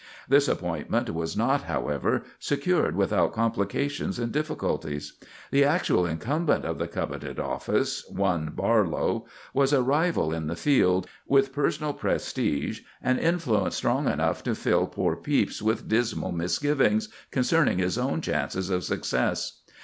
This appointment was not, however, secured without complications and difficulties. The actual incumbent of the coveted office—one Barlow—was a rival in the field, with personal prestige and influence strong enough to fill poor Pepys with dismal misgivings concerning his own chances of success.